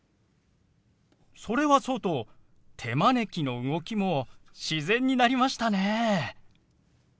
それはそうと手招きの動きも自然になりましたね。